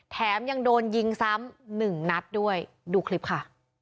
แถมยังโดนยิงซ้ำหนึ่งนัดด้วยดูคลิปค่ะ